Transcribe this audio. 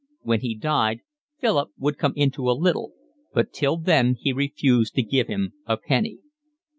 When he died Philip would come into a little, but till then he refused to give him a penny.